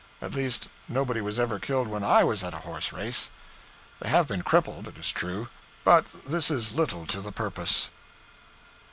At least, nobody was ever killed when I was at a horse race. They have been crippled, it is true; but this is little to the purpose.